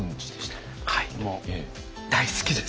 はいもう大好きです。